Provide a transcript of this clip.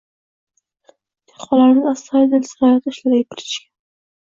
Dehqonlarimiz astoyidil ziroat ishlariga kirishgan